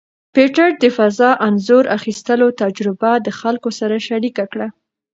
پېټټ د فضا انځور اخیستلو تجربه د خلکو سره شریکه کړه.